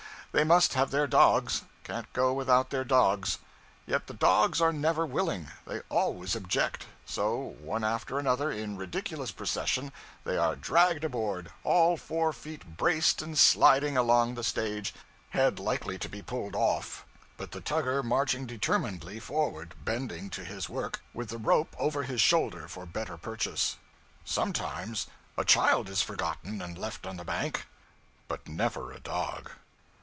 They must have their dogs; can't go without their dogs. Yet the dogs are never willing; they always object; so, one after another, in ridiculous procession, they are dragged aboard; all four feet braced and sliding along the stage, head likely to be pulled off; but the tugger marching determinedly forward, bending to his work, with the rope over his shoulder for better purchase. Sometimes a child is forgotten and left on the bank; but never a dog.